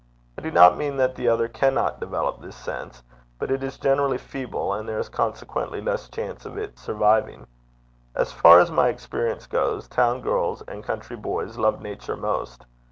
I do not mean that the other cannot develop this sense, but it is generally feeble, and there is consequently less chance of its surviving. As far as my experience goes, town girls and country boys love Nature most.